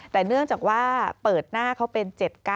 แต่เนื่องจากว่าเปิดหน้าเขาเป็น๗๙